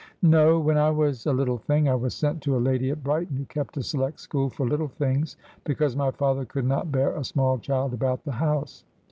' No. When I was a little thing I was sent to a lady at Brighton, who kept a select school for little things ; because my father could not bear a small child about the house.